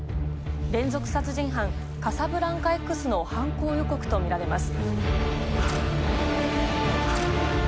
連続殺人犯カサブランカＸの犯行予告とみられます。